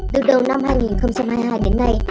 từ đầu năm hai nghìn hai mươi hai đến nay